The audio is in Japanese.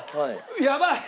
やばい！